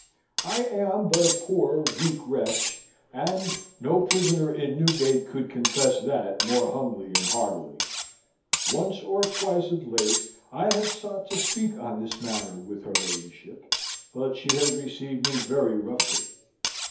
I am but a poor weak wretch, and no prisoner in Newgate could confess that more humbly and heartily. Once or twice of late, I have sought to speak on this matter with her ladyship, but she has received me very roughly.